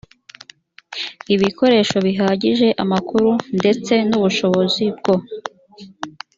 ibikoresho bihagije amakuru ndetse n ubushobozi bwo